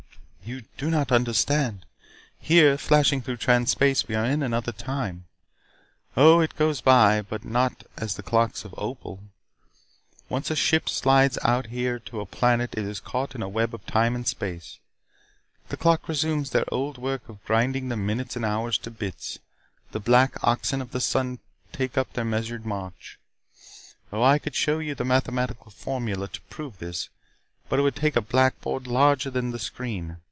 "You do not understand. Here, flashing through Trans Space, we are in another time. Oh, it goes by. But not as the clocks of Opal. Once a ship slides out of here to a planet it is caught in a web of time and space. The clocks resume their old work of grinding the minutes and the hours to bits. The black oxen of the sun take up their measured march. Oh, I could show you the mathematical formula to prove this, but it would take a blackboard larger than the screen.